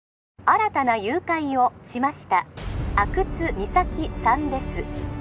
☎新たな誘拐をしました☎阿久津実咲さんです